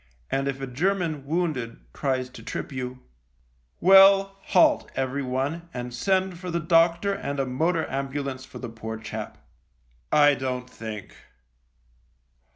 And if a German, wounded, tries to trip you — well, 46 THE LIEUTENANT halt, everyone, and send for the doctor and a motor ambulance for the poor chap — I don't think